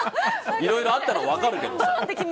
いろいろあったのは分かるけど。